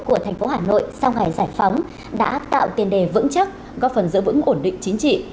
của thành phố hà nội sau ngày giải phóng đã tạo tiền đề vững chắc góp phần giữ vững ổn định chính trị